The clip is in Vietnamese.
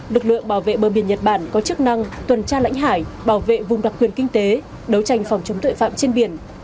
lực lượng bảo vệ bờ biển nhật bản có chức năng tuần tra lãnh hải bảo vệ vùng đặc quyền kinh tế đấu tranh phòng chống tội phạm trên biển